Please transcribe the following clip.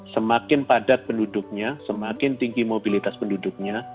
semakin padat penduduknya semakin tinggi mobilitas penduduknya